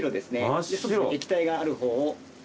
液体がある方を。